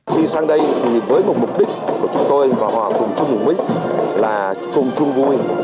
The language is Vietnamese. khi sang đây thì với một mục đích của chúng tôi và họ cùng chung mục mỹ là cùng chung vui